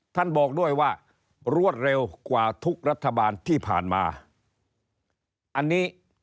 บอกด้วยว่ารวดเร็วกว่าทุกรัฐบาลที่ผ่านมาอันนี้